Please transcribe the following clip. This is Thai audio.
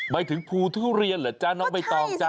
หมายถึงภูทุเรียนเหรอจ๊ะน้องใบตองจ้